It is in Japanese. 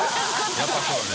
やっぱそうだね。